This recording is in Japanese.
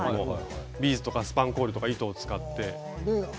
ビーズとかスパンコールとかを使って。